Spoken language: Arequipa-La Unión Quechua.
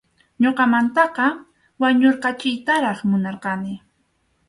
Ñuqamantaqa wañurqachiytaraq munarqani.